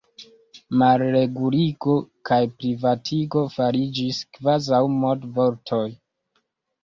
Malreguligo kaj privatigo fariĝis kvazaŭ modvortoj.